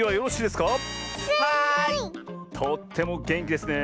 とってもげんきですねえ。